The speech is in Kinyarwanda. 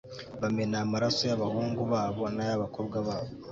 bamena amaraso y'abahungu babo n'ay'abakobwa babo